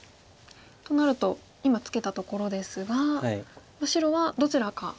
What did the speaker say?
となると今ツケたところですが白はどちらかハネが打ちたい。